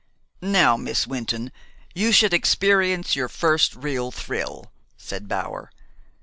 "Now, Miss Wynton, you should experience your first real thrill," said Bower.